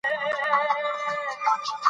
هر غږ باید حساب شي